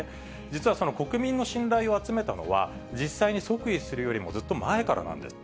実は国民の信頼を集めたのは、実際に即位するよりもずっと前からなんです。